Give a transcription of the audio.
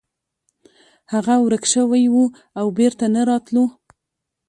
هغه ورک شوی و او بیرته نه راتلو.